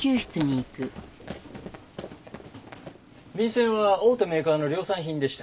便せんは大手メーカーの量産品でした。